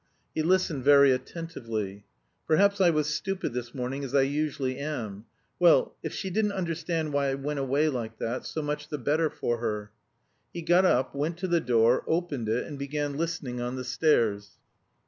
He listened very attentively. "Perhaps I was stupid this morning, as I usually am.... Well, if she didn't understand why I went away like that... so much the better for her." He got up, went to the door, opened it, and began listening on the stairs.